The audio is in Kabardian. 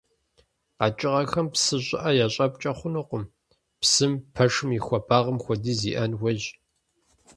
Къэкӏыгъэхэм псы щӏыӏэ ящӏэпкӏэ хъунукъым, псым пэшым и хуэбагъым хуэдиз иӏэн хуейщ.